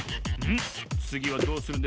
つぎはどうするんですか？